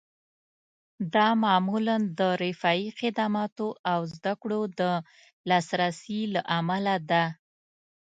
دا معمولاً د رفاهي خدماتو او زده کړو د لاسرسي له امله ده